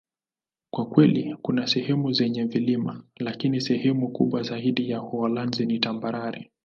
Kwa kweli, kuna sehemu zenye vilima, lakini sehemu kubwa zaidi ya Uholanzi ni tambarare.